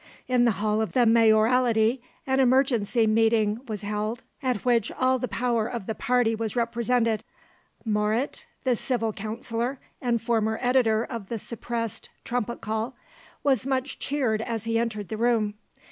In the hall of the Mayoralty an emergency meeting was held, at which all the power of the party was represented. Moret, the Civic Councillor and former editor of the suppressed TRUMPET CALL, was much cheered as he entered the room.